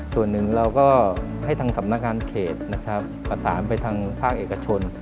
ส่วนหนึ่งเราก็ให้ทางสำนักงานเขตนะครับประสานไปทางภาคเอกชน